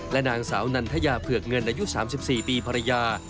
นางสาวนันทยาเผือกเงินอายุ๓๔ปีภรรยา